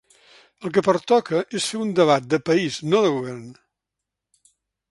El que pertoca és fer un debat de país, no de govern.